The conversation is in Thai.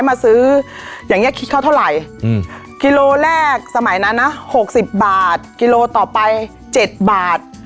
มาซื้ออย่างเงี้ยคิดเขาเท่าไหร่อืมกิโลแรกสมัยนั้นนะหกสิบบาทกิโลต่อไปเจ็ดบาท